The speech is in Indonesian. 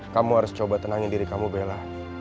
kamu harus coba tenangin diri kamu bella